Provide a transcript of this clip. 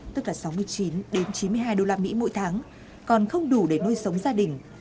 tức là sáu mươi chín đến chín mươi hai đô la mỹ mỗi tháng còn không đủ để nuôi sống gia đình